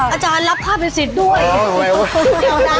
อาจารย์รับค่าเป็นสิทธิ์ด้วย